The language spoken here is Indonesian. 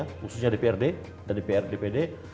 ya khususnya dprd dan dprd pd